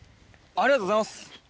ありがとうございます。